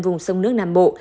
vùng sông nước nam bộ